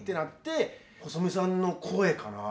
細美さんの声かな。